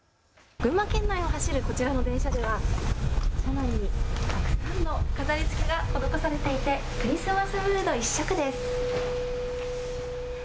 群馬県内を走るこちらの電車では車内にたくさんの飾りつけが施されていてクリスマスムード一色です。